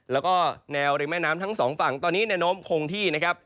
แล้วก็แนวริมแม่น้ำทั้งสองฝั่งตอนนี้แนวโน้มคงที่นะครับ